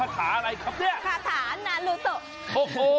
ห้าร้อยห้าสิบเป็นค้าขายลูกค้าสองร้อย